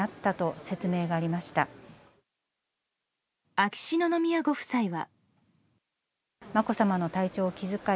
秋篠宮ご夫妻は。